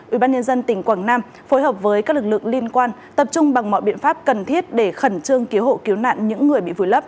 ủy ban nhân dân tỉnh quảng nam phối hợp với các lực lượng liên quan tập trung bằng mọi biện pháp cần thiết để khẩn trương cứu hộ cứu nạn những người bị vùi lấp